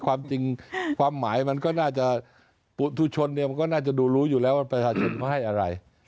ความจริงความหมายมันก็น่าจะปุชนเนี่ยมันก็น่าจะดูรู้อยู่แล้วว่าประชาชนเขาให้อะไร